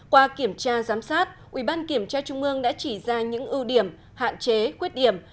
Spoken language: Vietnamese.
qua kiểm tra giám sát ủy ban kiểm tra trung ương đã chỉ ra những ưu điểm hạn chế khuyết điểm